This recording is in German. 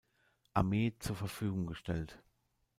Armee zur Verfügung gestellt.